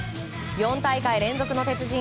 ４大会連続の鉄人